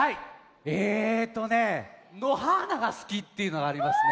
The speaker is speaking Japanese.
えとね「のはーながすき」っていうのがありますね。